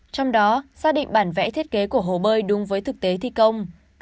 trong đó xác định bản vẽ thiết kế của hồ bơi đúng với thực tế thi công